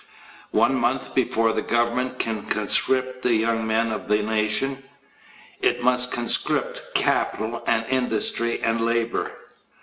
One month before the Government can conscript the young men of the nation it must conscript capital and industry and labor.